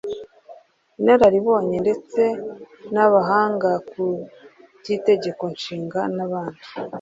inararibonye ndetse n’abahanga ku by’Itegeko Nshinga n’abandi